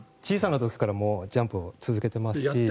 小さな時からジャンプを続けていますし。